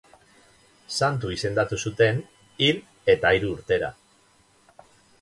Santu izendatu zuten hil eta hiru urtera.